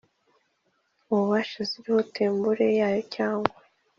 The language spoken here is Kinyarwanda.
ububasha ziriho tembure yayo cyangwa